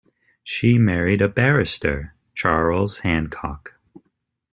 She married a barrister Charles Hancock.